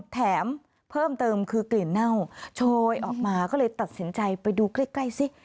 แถมเพิ่มเติมคือกลิ่นเน่าโชยออกมาก็เลยตัดสินใจไปดูใกล้ใกล้สิ